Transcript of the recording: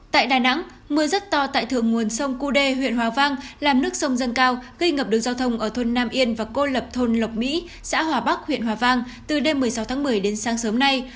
tại đà nẵng mưa rất to tại thượng nguồn sông cú đê huyện hòa vang làm nước sông dâng cao gây ngập đường giao thông ở thôn nam yên và cô lập thôn lộc mỹ xã hòa bắc huyện hòa vang từ đêm một mươi sáu tháng một mươi đến sáng sớm nay